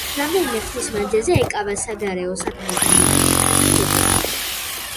რამდენიმე ხნის მანძილზე ეკავა საგარეო საქმეთა მინისტრის თანამდებობა.